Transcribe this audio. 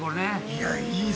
いや、いい。